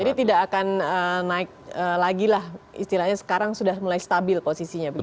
jadi tidak akan naik lagi lah istilahnya sekarang sudah mulai stabil posisinya begitu ya